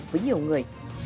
với nhiều người